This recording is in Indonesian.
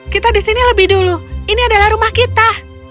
kita di sini lebih dulu ini adalah rumah kita